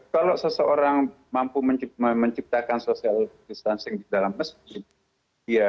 kalau seseorang mampu menciptakan social distancing di dalam masjid